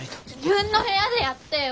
自分の部屋でやってよ。